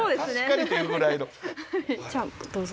じゃあどうぞ。